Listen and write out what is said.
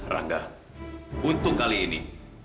rangga untung kali ini